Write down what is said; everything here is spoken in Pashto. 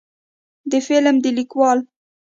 د فلم د لیکوال